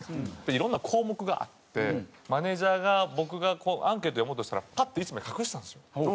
いろんな項目があってマネジャーが僕がアンケートを読もうとしたらパッて１枚隠したんですよ。